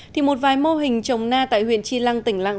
thì một vài mô hình trồng na tại huyện tri lăng tỉnh lăng